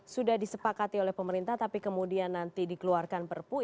sudah disepakati oleh pemerintah tapi kemudian nanti dikeluarkan perpu